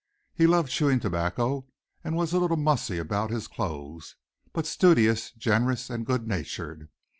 He loved chewing tobacco, was a little mussy about his clothes, but studious, generous and good natured.